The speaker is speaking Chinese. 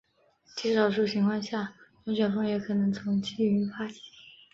极少数情况下龙卷风也可能从积云发起。